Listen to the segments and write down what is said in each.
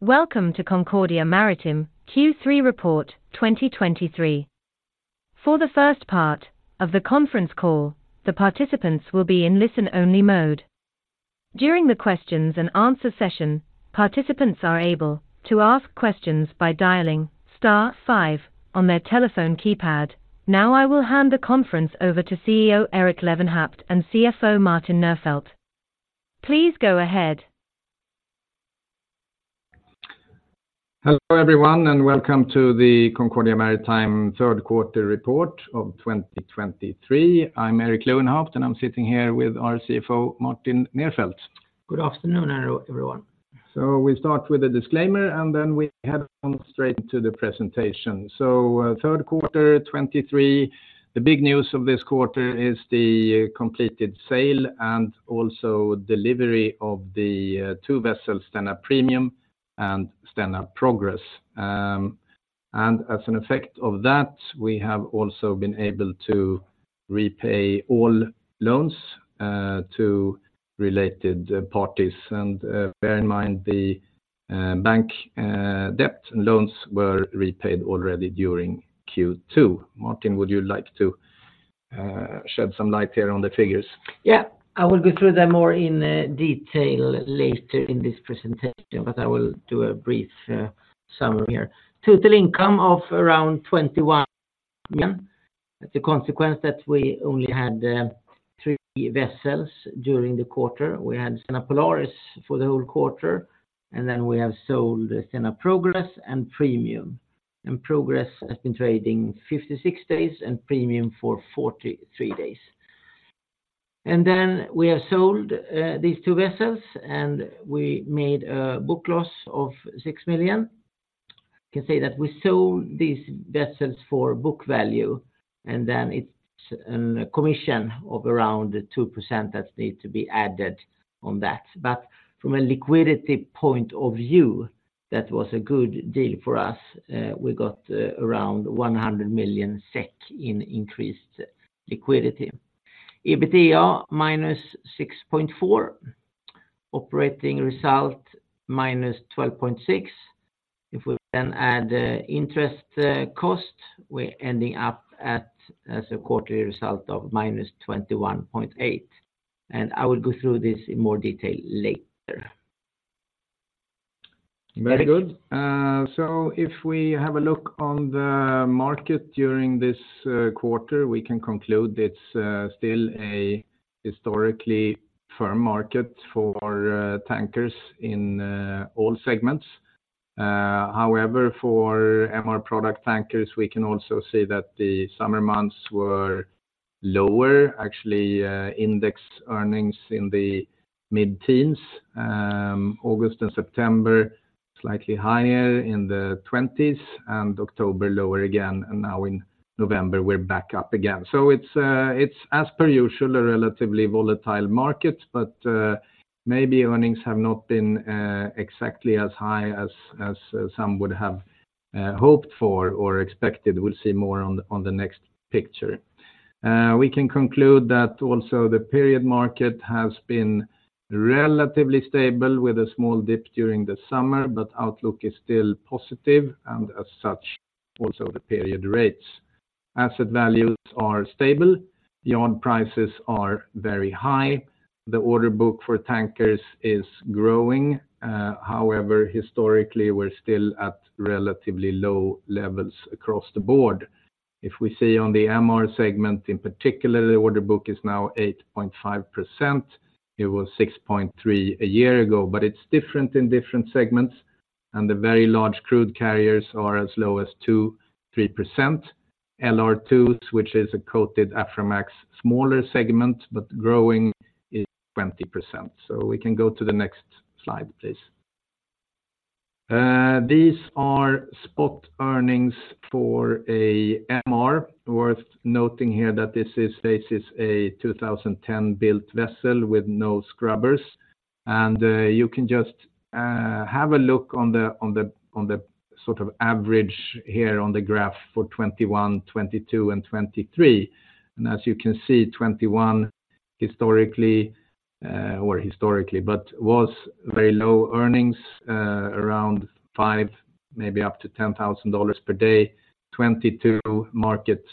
Welcome to Concordia Maritime Q3 Report 2023. For the first part of the conference call, the participants will be in listen-only mode. During the questions and answer session, participants are able to ask questions by dialing star five on their telephone keypad. Now, I will hand the conference over to CEO Erik Lewenhaupt and CFO Martin Nerfeldt. Please go ahead. Hello, everyone, and welcome to the Concordia Maritime third quarter report of 2023. I'm Erik Lewenhaupt, and I'm sitting here with our CFO, Martin Nerfeldt. Good afternoon, everyone. So we start with a disclaimer, and then we head on straight into the presentation. So, third quarter 2023, the big news of this quarter is the completed sale and also delivery of the two vessels, Stena Premium and Stena Progress. As an effect of that, we have also been able to repay all loans to related parties. Bear in mind, the bank debt and loans were repaid already during Q2. Martin, would you like to shed some light here on the figures? Yeah. I will go through them more in detail later in this presentation, but I will do a brief summary here. Total income of around 21 million. That's a consequence that we only had three vessels during the quarter. We had Stena Polaris for the whole quarter, and then we have sold the Stena Progress and Premium. And Progress has been trading 56 days and Premium for 43 days. And then we have sold these two vessels, and we made a book loss of 6 million. Can say that we sold these vessels for book value, and then it's a commission of around 2% that need to be added on that. But from a liquidity point of view, that was a good deal for us. We got around 100 million SEK in increased liquidity. EBITDA, -6.4 million. Operating result, -12.6 million. If we then add the interest cost, we're ending up at as a quarterly result of -21.8 million, and I will go through this in more detail later. Erik? Very good. So if we have a look on the market during this quarter, we can conclude it's still a historically firm market for tankers in all segments. However, for MR product tankers, we can also see that the summer months were lower. Actually, index earnings in the mid-teens. August and September, slightly higher in the 20s, and October, lower again, and now in November, we're back up again. So it's, as per usual, a relatively volatile market, but maybe earnings have not been exactly as high as some would have hoped for or expected. We'll see more on the next picture. We can conclude that also the period market has been relatively stable with a small dip during the summer, but outlook is still positive, and as such, also the period rates. Asset values are stable. Yard prices are very high. The order book for tankers is growing. However, historically, we're still at relatively low levels across the board. If we see on the MR segment, in particular, the order book is now 8.5%. It was 6.3% a year ago, but it's different in different segments, and the very large crude carriers are as low as 2%-3%. LR2, which is a coated Aframax, smaller segment, but growing, is 20%. So we can go to the next slide, please. These are spot earnings for a MR. Worth noting here that this is a 2010-built vessel with no scrubbers, and you can just have a look on the sort of average here on the graph for 2021, 2022, and 2023. And as you can see, 2021 historically, or historically, but was very low earnings, around $5,000, maybe up to $10,000 per day. 2022 markets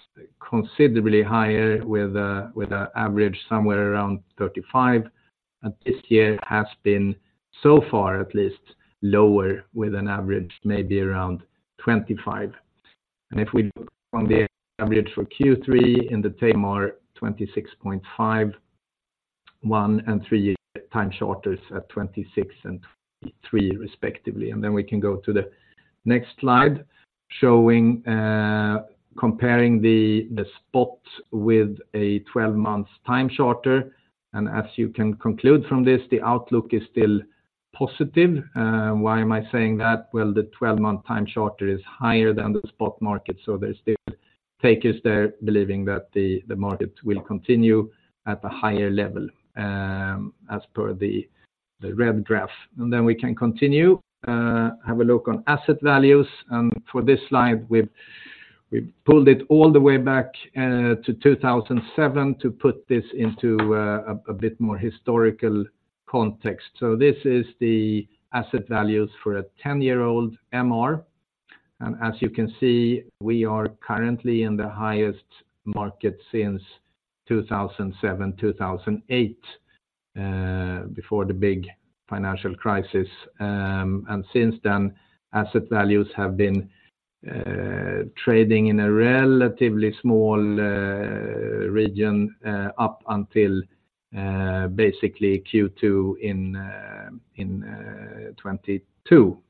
considerably higher with a, with a average somewhere around $35,000. And this year has been, so far at least, lower, with an average maybe around $25,000. And if we look on the average for Q3 in the time MR, $26,500, one- and three-year time charters at $26,300 and $23,700 respectively. And then we can go to the next slide showing, comparing the, the spot with a 12-month time charter. And as you can conclude from this, the outlook is still positive. Why am I saying that? Well, the 12-month time charter is higher than the spot market, so there's still takers there believing that the market will continue at a higher level, as per the red graph. And then we can continue. Have a look on asset values, and for this slide, we pulled it all the way back to 2007 to put this into a bit more historical context. So this is the asset values for a 10-year-old MR, and as you can see, we are currently in the highest market since 2007-2008, before the big financial crisis. And since then, asset values have been trading in a relatively small region up until basically Q2 in 2022.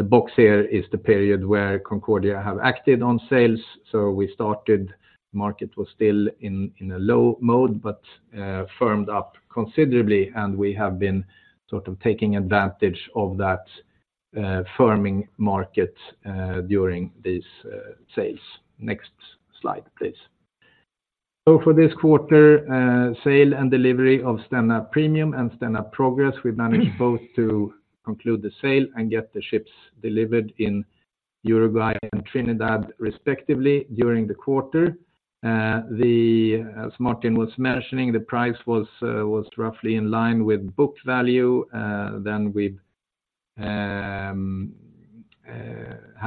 The box here is the period where Concordia have acted on sales. So we started, market was still in a low mode, but firmed up considerably, and we have been sort of taking advantage of that firming market during these sales. Next slide, please. So for this quarter, sale and delivery of Stena Premium and Stena Progress, we've managed both to conclude the sale and get the ships delivered in Uruguay and Trinidad, respectively, during the quarter. As Martin was mentioning, the price was roughly in line with book value than we've had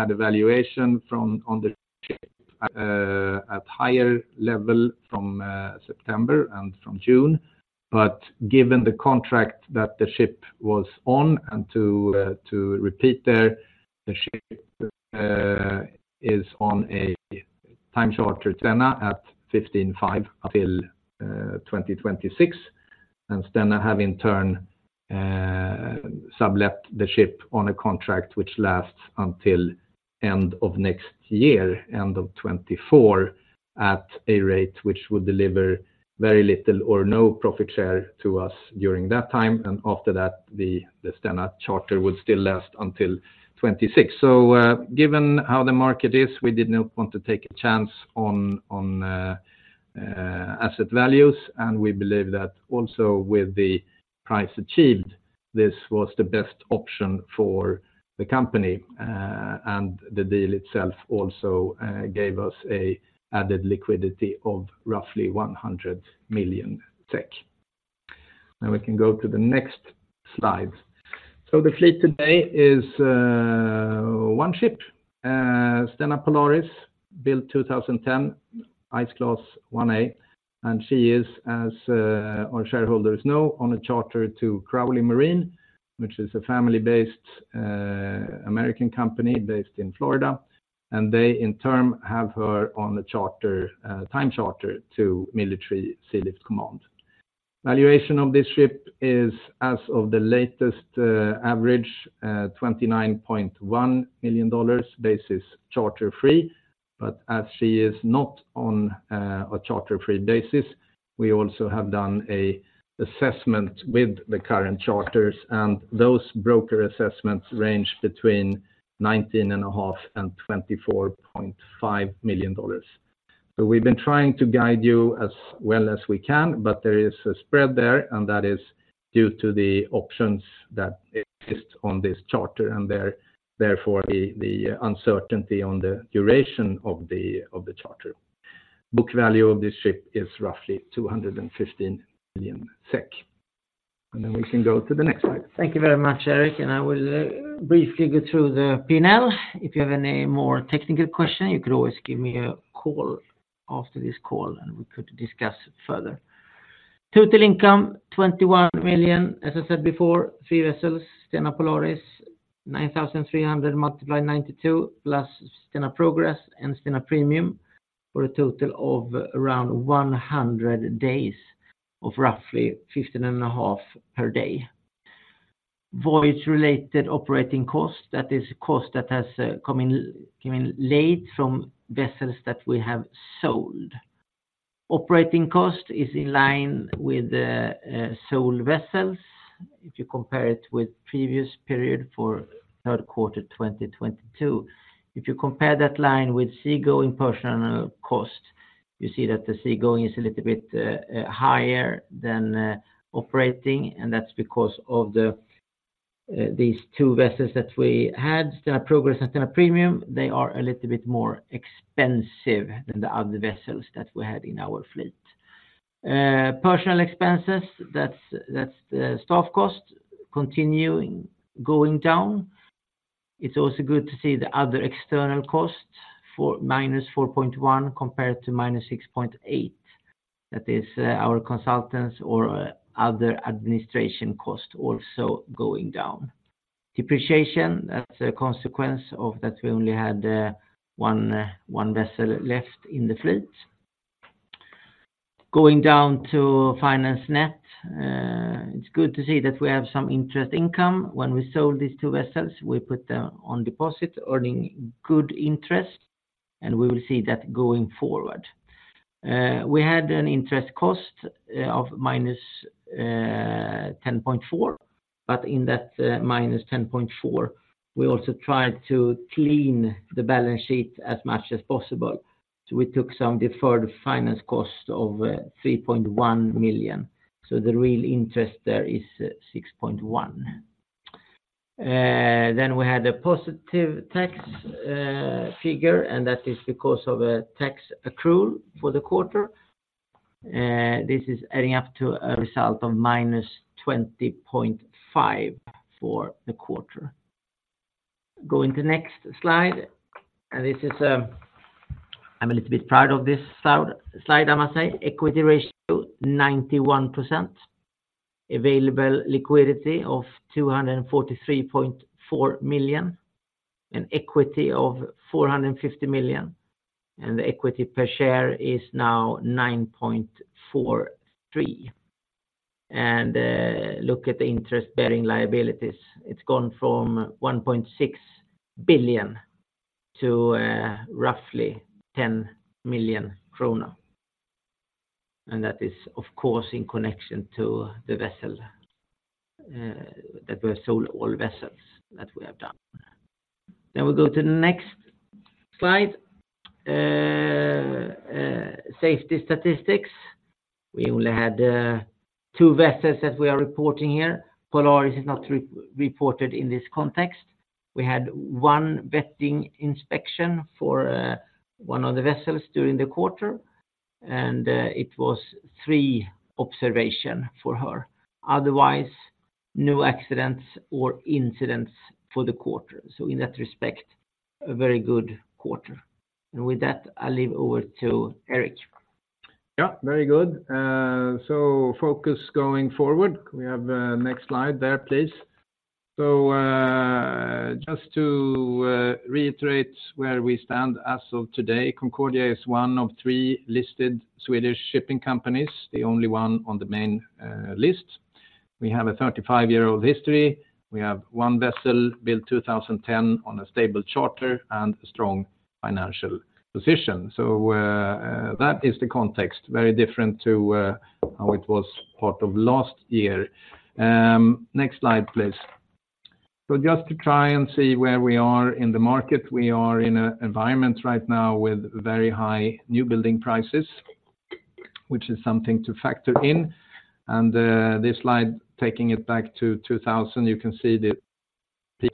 a valuation from on the ship at higher level from September and from June. But given the contract that the ship was on, and to repeat there, the ship is on a time charter Stena at $15,500 until 2026. And Stena have in turn sublet the ship on a contract which lasts until end of next year, end of 2024, at a rate which would deliver very little or no profit share to us during that time. And after that, the Stena charter would still last until 2026. So, given how the market is, we did not want to take a chance on asset values, and we believe that also with the price achieved, this was the best option for the company. And the deal itself also gave us added liquidity of roughly 100 million SEK. Now we can go to the next slide. The fleet today is one ship, Stena Polaris, built 2010, Ice Class 1A, and she is, as our shareholders know, on a charter to Crowley Marine, which is a family-based American company based in Florida, and they in turn have her on the charter, time charter to Military Sealift Command. Valuation of this ship is, as of the latest average, $29.1 million, basis charter-free. But as she is not on a charter-free basis, we also have done an assessment with the current charters, and those broker assessments range between $19.5 million and $24.5 million. So we've been trying to guide you as well as we can, but there is a spread there, and that is due to the options that exist on this charter, and therefore, the uncertainty on the duration of the charter. Book value of this ship is roughly 215 million SEK. And then we can go to the next slide. Thank you very much, Erik, and I will briefly go through the P&L. If you have any more technical question, you could always give me a call after this call, and we could discuss it further. Total income, 21 million. As I said before, three vessels, Stena Polaris, $9,300 multiply 92 days, plus Stena Progress and Stena Premium, for a total of around 100 days of roughly $15,500 per day. Voyage-related operating costs, that is cost that has come in, come in late from vessels that we have sold. Operating cost is in line with the sold vessels. If you compare it with previous period for third quarter 2022, if you compare that line with seagoing personnel cost, you see that the seagoing is a little bit higher than operating. That's because of these two vessels that we had, Stena Progress and Stena Premium. They are a little bit more expensive than the other vessels that we had in our fleet. Personnel expenses, that's the staff cost, continuing going down. It's also good to see the other external costs for -4.1 million compared to -6.8 million. That is our consultants or other administration cost also going down. Depreciation, that's a consequence of that we only had one vessel left in the fleet. Going down to finance net, it's good to see that we have some interest income. When we sold these two vessels, we put them on deposit, earning good interest, and we will see that going forward. We had an interest cost of -10.4 million, but in that -10.4 million, we also tried to clean the balance sheet as much as possible. So we took some deferred finance cost of 3.1 million. So the real interest there is 6.1 million. Then we had a positive tax figure, and that is because of a tax accrual for the quarter. This is adding up to a result of -20.5 million for the quarter. Go into next slide, and this is, I'm a little bit proud of this slide, I must say. Equity ratio 91%. Available liquidity of 243.4 million, and equity of 450 million, and the equity per share is now 9.43. And look at the interest-bearing liabilities. It's gone from 1.6 billion to roughly 10 million kronor. And that is, of course, in connection to the vessels that we have sold, all vessels that we have done. Then we go to the next slide. Safety statistics. We only had two vessels that we are reporting here. Polaris is not reported in this context. We had one vetting inspection for one of the vessels during the quarter, and it was three observations for her. Otherwise, no accidents or incidents for the quarter. So in that respect, a very good quarter. And with that, I leave over to Erik. Yeah, very good. So focus going forward. We have next slide there, please. So just to reiterate where we stand as of today, Concordia is one of three listed Swedish shipping companies, the only one on the main list. We have a 35-year-old history. We have one vessel built 2010 on a stable charter and a strong financial position. So that is the context, very different to how it was part of last year. Next slide, please. So just to try and see where we are in the market, we are in an environment right now with very high new building prices, which is something to factor in. This slide, taking it back to 2000, you can see the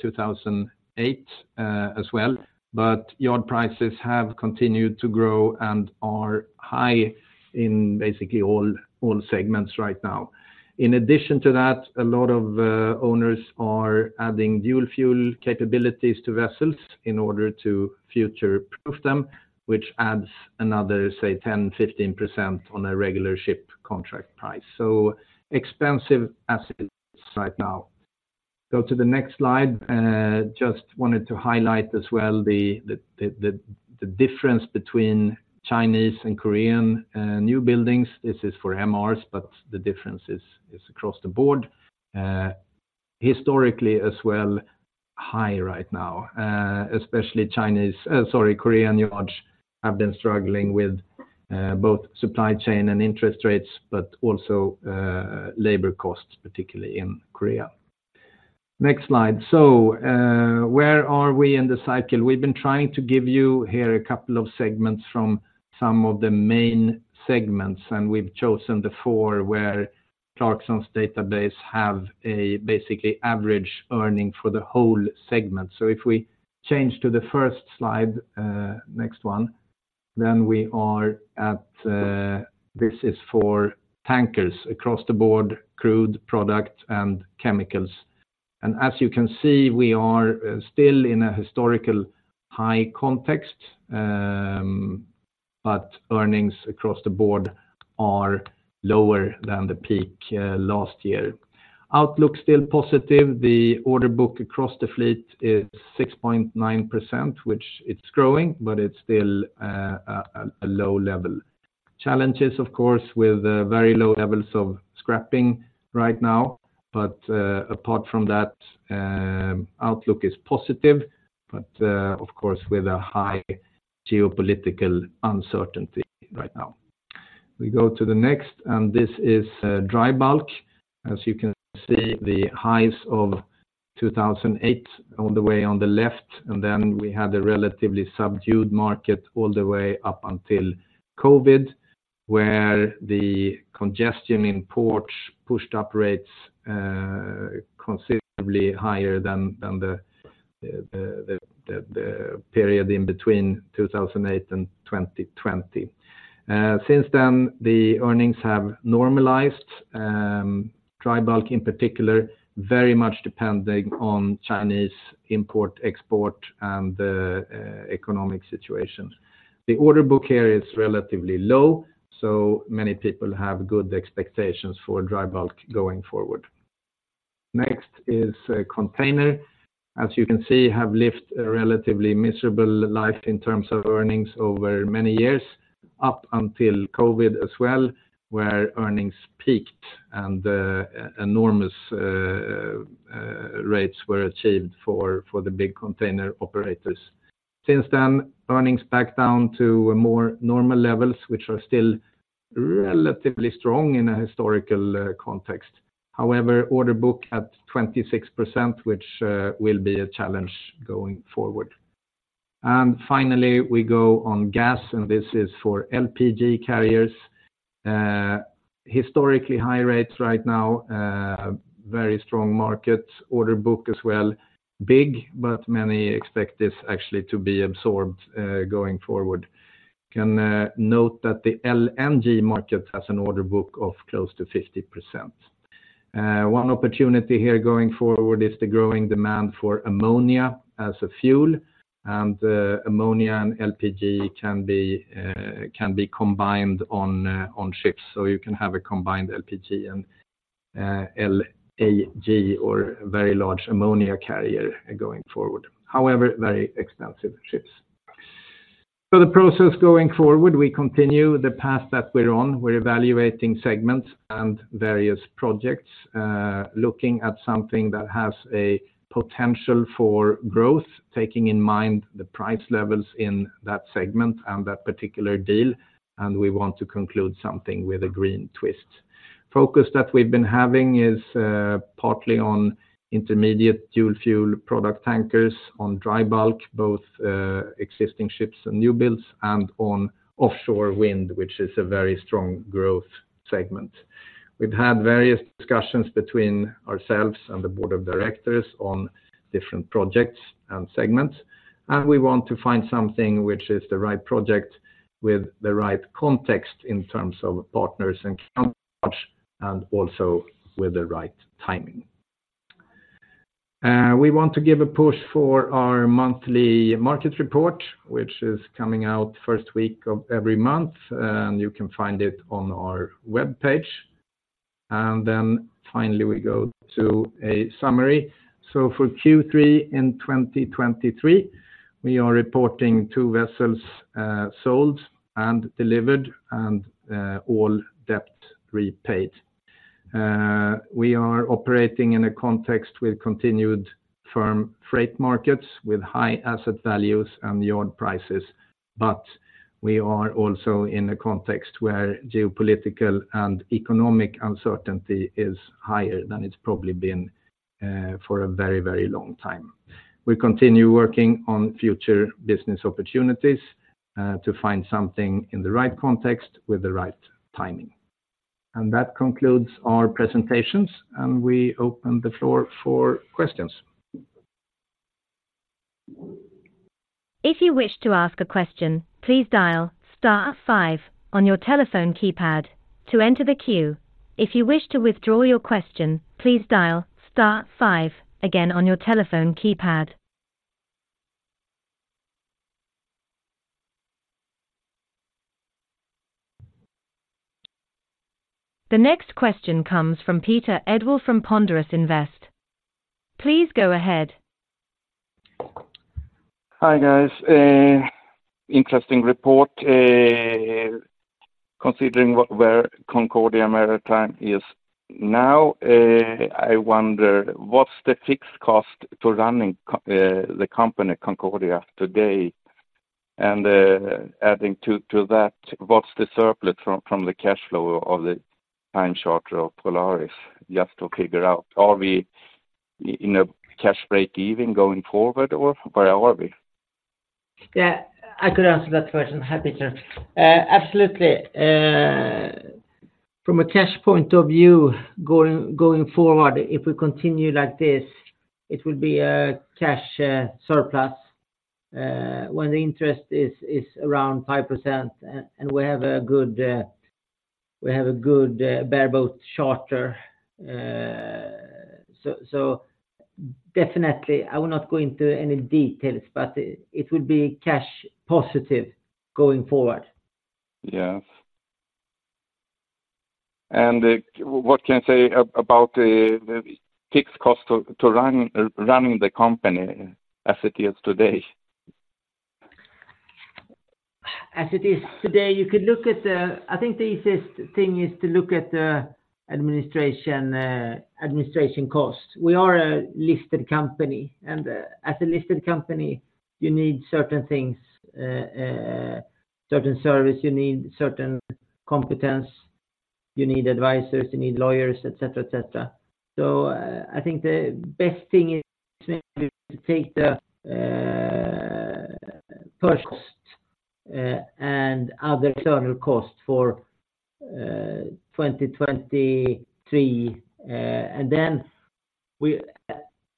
2008 as well, but yard prices have continued to grow and are high in basically all segments right now. In addition to that, a lot of owners are adding dual fuel capabilities to vessels in order to future-proof them, which adds another, say, 10%-15% on a regular ship contract price. So expensive assets right now. Go to the next slide. Just wanted to highlight as well, the difference between Chinese and Korean new buildings. This is for MRs, but the difference is across the board. Historically as well high right now, especially Korean yards have been struggling with both supply chain and interest rates, but also labor costs, particularly in Korea. Next slide. So, where are we in the cycle? We've been trying to give you here a couple of segments from some of the main segments. We've chosen the four, where Clarksons database have a basically average earning for the whole segment. So if we change to the first slide, next one. Then we are at, this is for tankers across the board, crude products, and chemicals. And as you can see, we are still in a historical high context, but earnings across the board are lower than the peak last year. Outlook still positive. The order book across the fleet is 6.9%, which it's growing, but it's still a low level. Challenges, of course, with very low levels of scrapping right now. But apart from that, outlook is positive, but of course, with a high geopolitical uncertainty right now. We go to the next, and this is dry bulk. As you can see, the highs of 2008 all the way on the left, and then we had a relatively subdued market all the way up until COVID, where the congestion in ports pushed up rates considerably higher than the period in between 2008 and 2020. Since then, the earnings have normalized. Dry bulk, in particular, very much depending on Chinese import, export, and economic situations. The order book here is relatively low, so many people have good expectations for dry bulk going forward. Next is container. As you can see, have lived a relatively miserable life in terms of earnings over many years, up until COVID as well, where earnings peaked and enormous rates were achieved for the big container operators. Since then, earnings back down to a more normal levels, which are still relatively strong in a historical context. However, order book at 26%, which will be a challenge going forward. And finally, we go on gas, and this is for LPG carriers. Historically, high rates right now, very strong market. Order book as well, big, but many expect this actually to be absorbed going forward. You can note that the LNG market has an order book of close to 50%. One opportunity here going forward is the growing demand for ammonia as a fuel, and ammonia and LPG can be combined on ships. So you can have a combined LPG and LNG or very large ammonia carrier going forward. However, very expensive ships. So the process going forward, we continue the path that we're on. We're evaluating segments and various projects, looking at something that has a potential for growth, taking in mind the price levels in that segment and that particular deal, and we want to conclude something with a green twist. Focus that we've been having is partly on intermediate dual fuel product tankers, on dry bulk, both existing ships and new builds, and on offshore wind, which is a very strong growth segment. We've had various discussions between ourselves and the Board of Directors on different projects and segments, and we want to find something which is the right project with the right context in terms of partners and also with the right timing. We want to give a push for our monthly market report, which is coming out first week of every month, and you can find it on our webpage. Then finally, we go to a summary. For Q3 2023, we are reporting two vessels sold and delivered, and all debt repaid. We are operating in a context with continued firm freight markets, with high asset values and yard prices, but we are also in a context where geopolitical and economic uncertainty is higher than it's probably been for a very, very long time. We continue working on future business opportunities, to find something in the right context with the right timing. That concludes our presentations, and we open the floor for questions. If you wish to ask a question, please dial star five on your telephone keypad to enter the queue. If you wish to withdraw your question, please dial star five again on your telephone keypad. The next question comes from Peter Edwall from Ponderus Invest. Please go ahead. Hi, guys. Interesting report considering what, where Concordia Maritime is. Now, I wonder, what's the fixed cost to running the company Concordia today? And, adding to that, what's the surplus from the cash flow of the time charter of Polaris? Just to figure out, are we in a cash break-even going forward, or where are we? Yeah, I could answer that question. Hi, Peter. Absolutely, from a cash point of view, going forward, if we continue like this, it will be a cash surplus when the interest is around 5%, and we have a good bareboat charter. So definitely I will not go into any details, but it will be cash positive going forward. Yes. And, what can you say about the fixed cost to running the company as it is today? As it is today, you could look at the—I think the easiest thing is to look at the administration cost. We are a listed company. As a listed company, you need certain things, certain service, you need certain competence. You need advisors, you need lawyers, et cetera, et cetera. So I think the best thing is to take the first and other external costs for 2023. And then we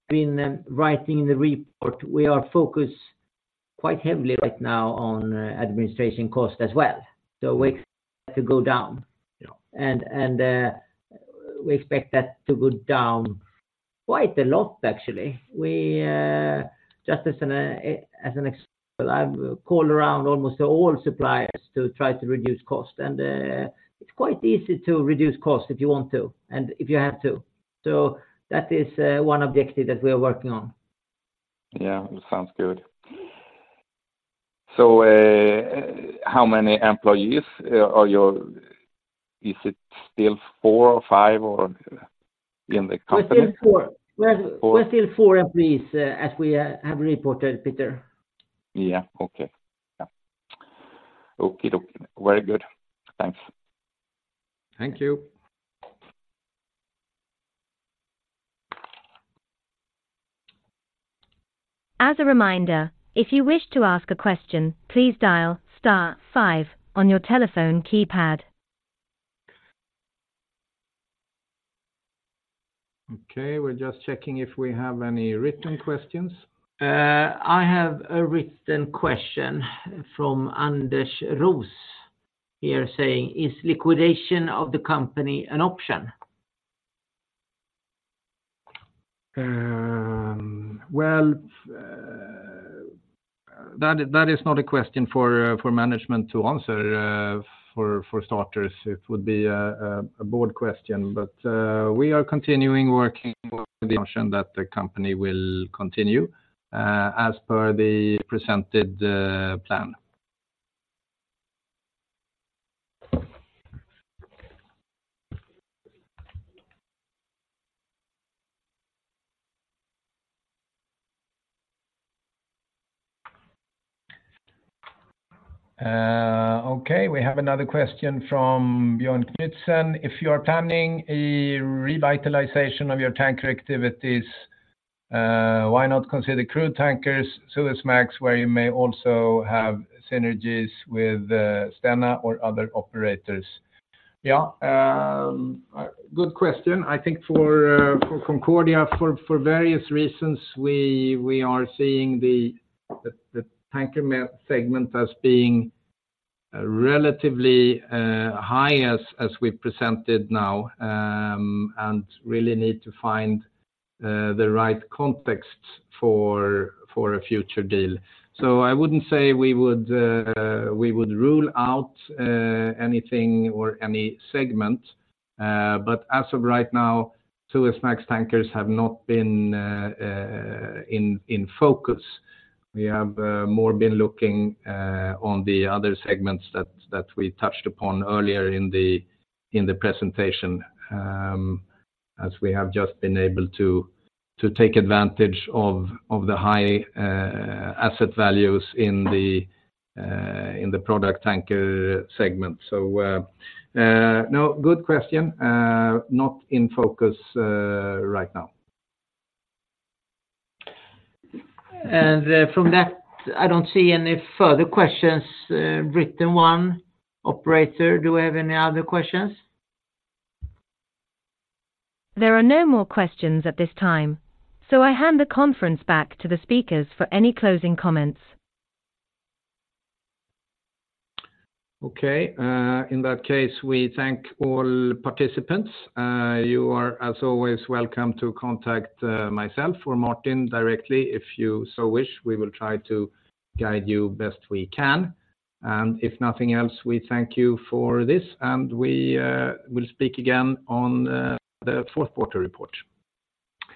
been writing the report. We are focused quite heavily right now on administration cost as well. So we expect to go down, and we expect that to go down quite a lot, actually. We just as an example, I've called around almost to all suppliers to try to reduce costs, and it's quite easy to reduce costs if you want to and if you have to. So that is one objective that we are working on. Yeah, it sounds good. So, how many employees are you... Is it still four or five, or in the company? We're still four. Four. We're still four employees, as we have reported, Peter. Yeah. Okay. Yeah. Okie dokie. Very good. Thanks. Thank you. As a reminder, if you wish to ask a question, please dial star five on your telephone keypad. Okay, we're just checking if we have any written questions. I have a written question from Anders Roos. He is saying, "Is liquidation of the company an option? Well, that is not a question for management to answer, for starters. It would be a Board question, but we are continuing working with the option that the company will continue as per the presented plan. Okay, we have another question from Björn Knutsen: "If you are planning a revitalization of your tanker activities, why not consider crude tankers, Suezmax, where you may also have synergies with Stena or other operators?" Yeah, good question. I think for Concordia, for various reasons, we are seeing the tanker market segment as being relatively high as we presented now, and really need to find the right context for a future deal. So I wouldn't say we would, we would rule out, anything or any segment. But as of right now, Suezmax tankers have not been in focus. We have more been looking on the other segments that we touched upon earlier in the presentation, as we have just been able to take advantage of the high asset values in the product tanker segment. So, no, good question. Not in focus right now. From that, I don't see any further questions, written one. Operator, do we have any other questions? There are no more questions at this time, so I hand the conference back to the speakers for any closing comments. Okay. In that case, we thank all participants. You are, as always, welcome to contact myself or Martin directly if you so wish. We will try to guide you best we can, and if nothing else, we thank you for this, and we will speak again on the fourth quarter report.